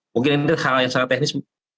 mungkin itu hal yang sangat teknis